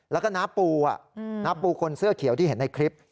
แล้วก็น้าปูน้าปูคนเสื้อเขียวที่เห็นในคลิป